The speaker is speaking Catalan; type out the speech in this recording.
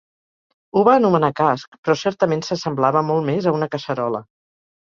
Ho va anomenar casc, però certament s'assemblava molt més a una casserola.